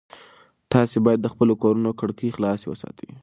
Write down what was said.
تاسي باید د خپلو کورونو کړکۍ خلاصې وساتئ.